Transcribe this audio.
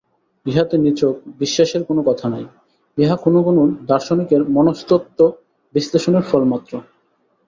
ইহাতে নিছক বিশ্বাসের কোন কথা নাই, ইহা কোন কোন দার্শনিকের মনস্তত্ব-বিশ্লেষণের ফলমাত্র।